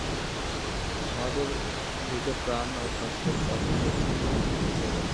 আমাদের ভিতর প্রাণ ও স্বাস্থ্যের প্রাচুর্য ঘটলেই সমস্ত ঠিক হয়ে যাবে।